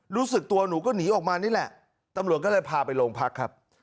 รู้สึกตัวหนูก็หนีออกมานี่แหละตำรวจก็เลยพาไปโรงพักครับ